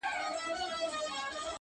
ته یې په مسجد او درمسال کي کړې بدل.